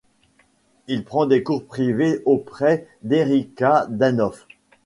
Il prend des cours privés auprès d'Erika Dannhoff.